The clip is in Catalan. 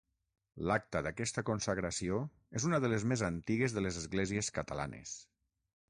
L'acta d'aquesta consagració és una de les més antigues de les esglésies catalanes.